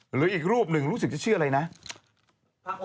หรืออีกรูปหนึ่งรู้สึกจะเชื่ออะไรรึเปล่า